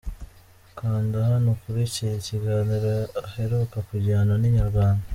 Kanda hano ukurikire ikiganiro aheruka kugirana na Inyarwanda.